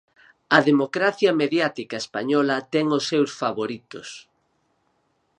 A democracia mediática española ten os seus favoritos.